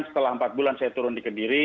setelah empat bulan saya turun di kediri